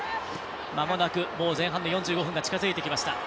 間もなく前半の４５分が近づいてきました。